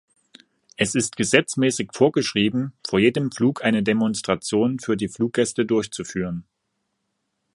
Es ist gesetzmäßig vorgeschrieben, vor jedem Flug eine Demonstration für die Fluggäste durchzuführen.